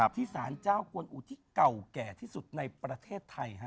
ที่สารเจ้ากวนอุทิศเก่าแก่ที่สุดในประเทศไทย